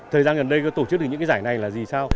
thời gian gần đây có tổ chức được những cái giải này là gì sao